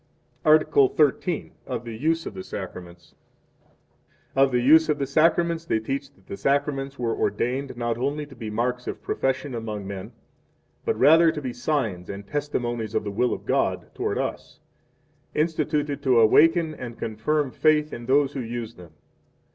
Article XIII. Of the Use of the Sacraments. 1 Of the Use of the Sacraments they teach that the Sacraments were ordained, not only to be marks of profession among men, but rather to be signs and testimonies of the will of God 2 toward us, instituted to awaken and confirm faith in those who use them.